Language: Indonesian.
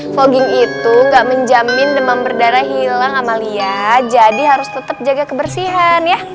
fogging itu gak menjamin demam berdarah hilang amalia jadi harus tetap jaga kebersihan ya